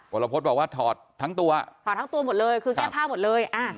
วรพฤษบอกว่าถอดทั้งตัวถอดทั้งตัวหมดเลยคือแก้ผ้าหมดเลยอ่า